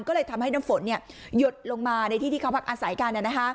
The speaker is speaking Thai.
ก็เลยทำให้น้ำฝนหยดลงมาในที่ที่เขาพักอาศัยกัน